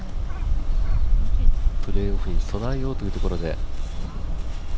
プレーオフに備えようというところで。